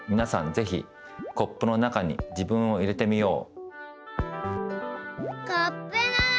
ぜひコップの中に自分を入れてみよう。